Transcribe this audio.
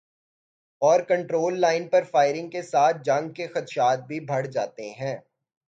Over control line پر firing کے ساتھ جنگ کے خدشات بھی بڑھ جاتے ہیں۔